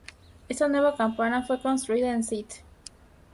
Esta nueva campana fue construida en St.